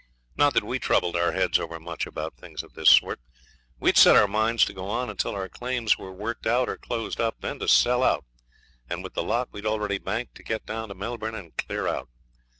Not that we troubled our heads over much about things of this sort. We had set our minds to go on until our claims were worked out, or close up; then to sell out, and with the lot we'd already banked to get down to Melbourne and clear out.